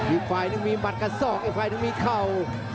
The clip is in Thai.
อีกฝ่ายนึงมีหัดกับศอกอีกฝ่ายหนึ่งมีเข่า